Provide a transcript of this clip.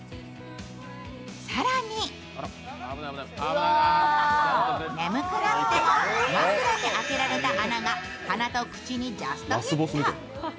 更に眠くなっても枕に開けられた穴が鼻と口にジャストフィット。